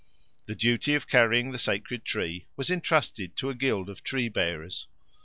The duty of carrying the sacred tree was entrusted to a guild of Tree bearers.